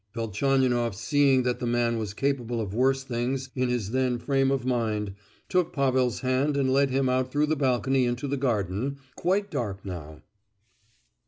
Velchaninoff, seeing that the man was capable of worse things in his then frame of mind, took Pavel's hand and led him out through the balcony into the garden—quite dark now.